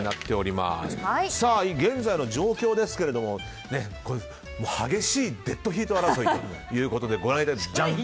現在の状況ですけれども激しいデッドヒート争いということで。